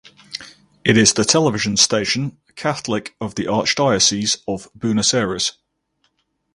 It is the television station Catholic of the Archdiocese of Buenos Aires.